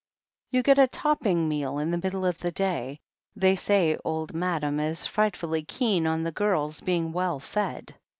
You get a topping meal in the middle of the day — they say old Madam is frightfully keen on the girls being well fed.